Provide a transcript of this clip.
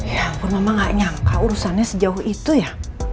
ya ampun mama ga nyangka urusannya sejauh itu ya